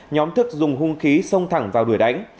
nhóm thức dùng hung khí xông thẳng vào đuổi đánh